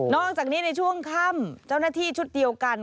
อกจากนี้ในช่วงค่ำเจ้าหน้าที่ชุดเดียวกัน